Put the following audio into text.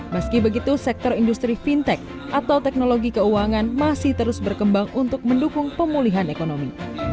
meski begitu sektor industri fintech atau teknologi keuangan masih terus berkembang untuk mendukung pemulihan ekonomi